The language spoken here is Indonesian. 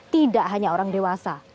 tidak hanya orang dewasa